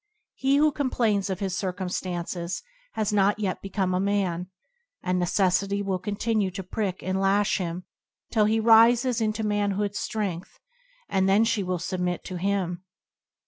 He who complains of his circumstances has not yet become a man, and Necessity will continue to prick and lash him till he rises into man hood's strength, and then she will submit to him.